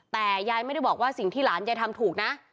แต่ยายไม่ได้บอกว่าสิ่งที่หลานยายทำถูกนะ